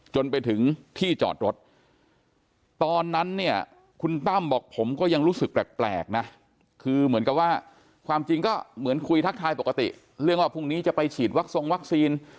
จนไปถึงที่จอดรถตอนนั้นเนี่ยคุณตั้มบอกผมก็ยังรู้สึกแปลกนะคือเหมือนกับว่าความจริงก็เหมือนคุยทักทายปกติเรื่องว่าพรุ่งนี้จะไปฉีดวัคซงวัคซีน